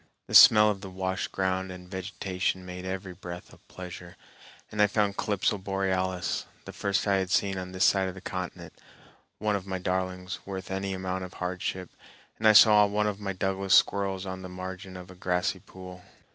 The smell of the washed ground and vegetation made every breath a pleasure, and I found Calypso borealis, the first I had seen on this side of the continent, one of my darlings, worth any amount of hardship; and I saw one of my Douglas squirrels on the margin of a grassy pool.